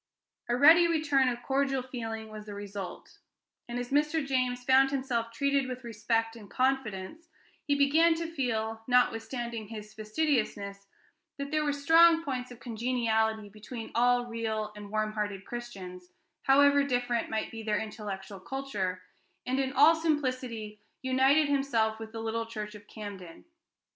A ready return of cordial feeling was the result; and as Mr. James found himself treated with respect and confidence, he began to feel, notwithstanding his fastidiousness, that there were strong points of congeniality between all real and warm hearted Christians, however different might be their intellectual culture, and in all simplicity united himself with the little church of Camden.